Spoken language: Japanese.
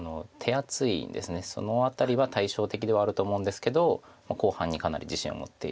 その辺りは対照的ではあると思うんですけど後半にかなり自信を持っている。